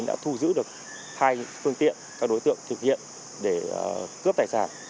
đã thu giữ được hai phương tiện các đối tượng thực hiện để cướp tài sản